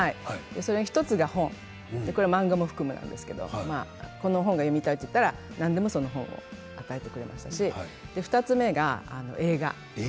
その１つが本漫画も含めなんですけれどこの本が読みたいと言ったら何でもその本を与えてくれましたし２つ目が映画。